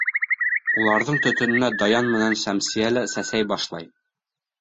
Уларҙың төтөнөнә Даян менән Шәмсиә лә сәсәй башлай.